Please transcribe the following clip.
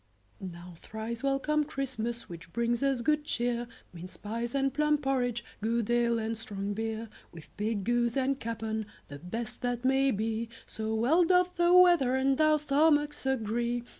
Now thrice welcome, Christmas, Which brings us good cheer, Minced pies and plum porridge, Good ale and strong beer; With pig, goose, and capon, The best that may be, So well doth the weather And our stomachs agree.